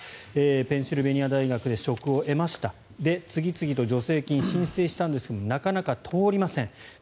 ペンシルベニア大学で職を得ました次々と助成金を申請したんですがなかなか通りません。